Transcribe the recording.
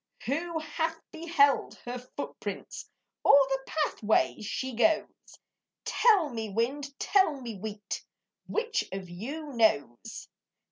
Who hath beheld her footprints, Or the pathway she goes? Tell me, wind, tell me, wheat, Which of you knows?